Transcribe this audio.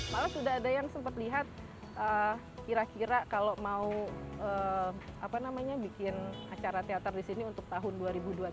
malah sudah ada yang sempat lihat kira kira kalau mau bikin acara teater di sini untuk tahun dua ribu dua puluh tiga